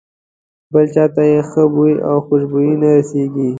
بل چاته یې ښه بوی او خوشبويي نه رسېږي.